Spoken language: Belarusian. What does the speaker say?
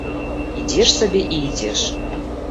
Ідзеш сабе і ідзеш.